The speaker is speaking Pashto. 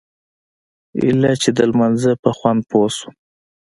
ايله چې د لمانځه پر خوند پوه سوم.